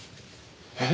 えっ？